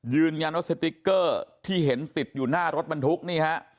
ยืนยันว่าสติ๊กเกอร์ที่เห็นติดอยู่หน้ารถบรรทุกนี่ฮะ